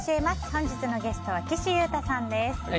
本日のゲストは岸優太さんです。